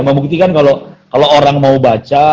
membuktikan kalau orang mau baca